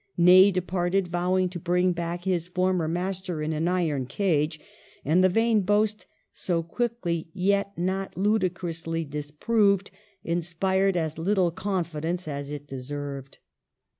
Ney departed, vowing to bring back his former master in an Iron cage ; and the vain boast/so quickly yet not ludicrously disproved, inspired as little confidence as it deserved.